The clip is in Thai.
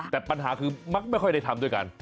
แต่ปัญหาคือมักไม่ค่อยได้ทำด้วยกัน